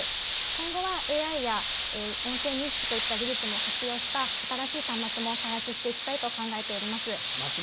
今後はＡＩや音声認識といった技術も活用した、新しい端末も開発していきたいと考えております。